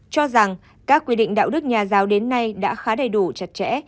cho rằng các quy định đạo đức nhà giáo đến nay đã khá đầy đủ chặt chẽ